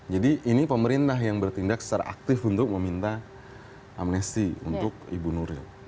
jadi ini pemerintah yang bertindak secara aktif untuk meminta amnesti untuk ibu nuril